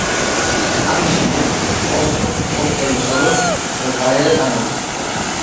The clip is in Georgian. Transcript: ამის შემდეგ კოსტელომ სოლო კარიერა წამოიწყო.